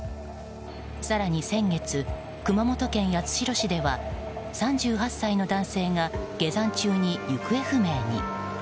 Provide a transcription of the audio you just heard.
更に先月、熊本県八代市では３８歳の男性が下山中に行方不明に。